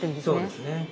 そうですね。